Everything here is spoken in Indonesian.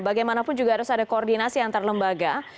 bagaimanapun juga harus ada koordinasi antar lembaga